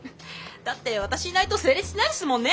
だって私いないと成立しないですもんね。